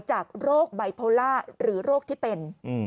จากโรคไบโพล่าหรือโรคที่เป็น